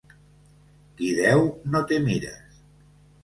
Qui deu no té mires.